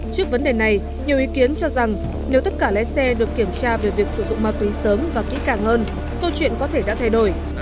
trước vấn đề này nhiều ý kiến cho rằng nếu tất cả lái xe được kiểm tra về việc sử dụng ma túy sớm và kỹ càng hơn câu chuyện có thể đã thay đổi